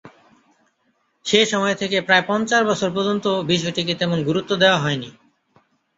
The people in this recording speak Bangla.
সে সময় থেকে প্রায় পঞ্চাশ বছর পর্যন্ত বিষয়টিকে তেমন গুরুত্ব দেওয়া হয় নি।